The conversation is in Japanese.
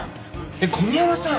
えっ小宮山さん！